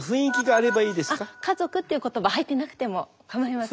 あっ家族っていう言葉入ってなくてもかまいません。